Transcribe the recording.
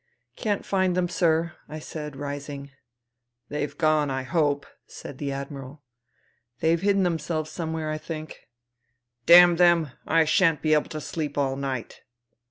" Can't find them, sir," I said, rising. " They've gone, I hope," said the Admiral. '' They've hidden themselves somewhere, I think.' Damn them ! I shan't be able to sleep all night.'